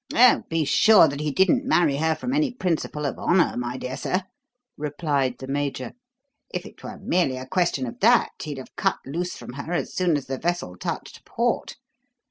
"Oh, be sure that he didn't marry her from any principle of honour, my dear sir," replied the Major. "If it were merely a question of that, he'd have cut loose from her as soon as the vessel touched port.